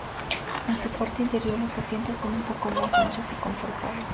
En su parte interior los asientos son un poco más anchos y confortables.